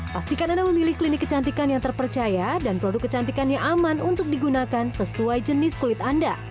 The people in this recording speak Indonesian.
pastikan anda memilih klinik kecantikan yang terpercaya dan produk kecantikannya aman untuk digunakan sesuai jenis kulit anda